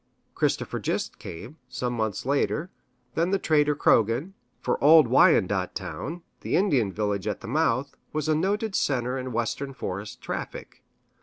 Christopher Gist came, some months later; then the trader Croghan, for "Old Wyandot Town," the Indian village at the mouth, was a noted center in Western forest traffic.